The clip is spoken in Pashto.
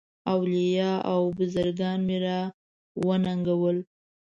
اولیاء او بزرګان مي را وننګول.